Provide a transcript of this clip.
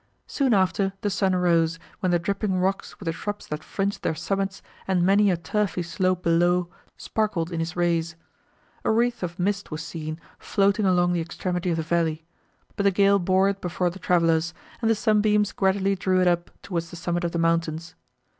Soon after, the sun arose, when the dripping rocks, with the shrubs that fringed their summits, and many a turfy slope below, sparkled in his rays. A wreath of mist was seen, floating along the extremity of the valley, but the gale bore it before the travellers, and the sunbeams gradually drew it up towards the summit of the mountains.